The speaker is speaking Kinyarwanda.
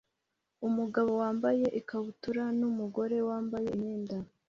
Umugabo wambaye ikabutura numugore wambaye imyenda